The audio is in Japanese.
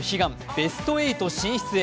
ベスト８進出へ。